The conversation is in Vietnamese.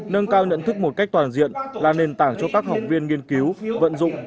nâng cao nhận thức một cách toàn diện là nền tảng cho các học viên nghiên cứu vận dụng